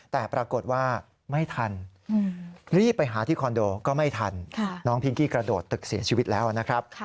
แต่ปรากฏว่าไม่ทันรีบไปหาที่คอนโดก็ไม่ทันน้องพิงกี้กระโดดตึกเสียชีวิตแล้วนะครับ